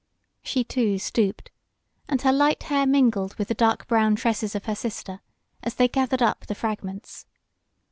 She, too, stooped and her light hair mingled with the dark brown tresses of her sister as they gathered up the fragments.